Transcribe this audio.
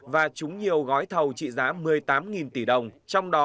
và trúng nhiều gói thầu trị giá một mươi tám tỷ đồng